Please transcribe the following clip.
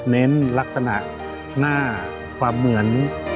เน้นลักษณะหน้าความเหมือน